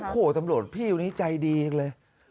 โอ้โหตำรวจพี่คนนี้ใจดีจังเลย